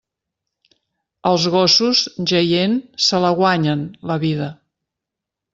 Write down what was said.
Els gossos, jaient, se la guanyen, la vida.